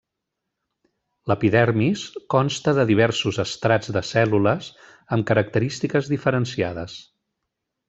L'epidermis consta de diversos estrats de cèl·lules amb característiques diferenciades.